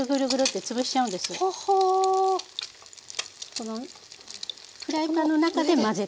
このフライパンの中で混ぜてしまう。